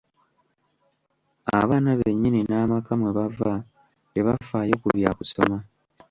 Abaana bennyini n'amaka mwe bava tebafaayo ku bya kusoma.